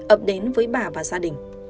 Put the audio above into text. ập đến với bà và gia đình